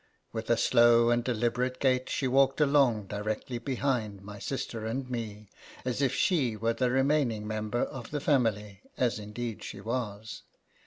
With a slow and deliberate gait she walked along, directly behind my sister and me, as if she were the remaining INTRODUCTION. 15 member of the family, as indeed she was.